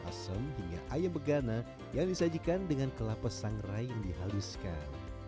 asem hingga ayam begana yang disajikan dengan kelapa sangrai yang dihaluskan